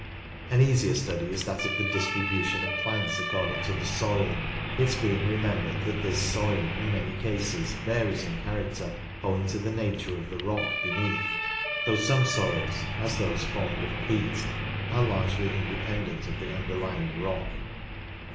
An easier study is that of the distribution of plants according to the soil, it being remembered that this soil in many cases varies in character owing to the nature of the rock beneath, though some soils, as those formed of peat, are largely independent of the underlying rock.